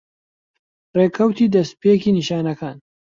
ڕێکەوتی دەستپێکی نیشانەکان